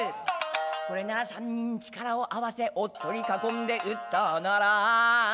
「これなら三人力を合わせ」「おっとりかこんで討ったなら」